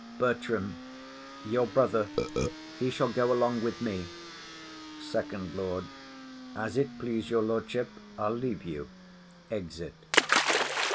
BERTRAM. Your brother, he shall go along with me. FIRST LORD. As't please your lordship. I'll leave you. [_Exit.